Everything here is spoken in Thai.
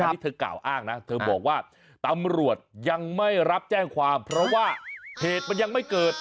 อันนี้เธอกล่าวอ้างนะเธอบอกว่าตำรวจยังไม่รับแจ้งความเพราะว่าเหตุมันยังไม่เกิด